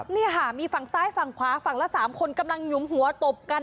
นี่ค่ะมีฝั่งซ้ายฝั่งขวาฝั่งละ๓คนกำลังหยุมหัวตบกัน